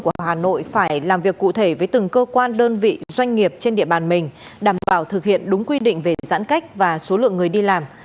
của hà nội phải làm việc cụ thể với từng cơ quan đơn vị doanh nghiệp trên địa bàn mình đảm bảo thực hiện đúng quy định về giãn cách và số lượng người đi làm